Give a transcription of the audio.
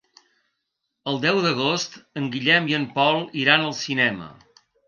El deu d'agost en Guillem i en Pol iran al cinema.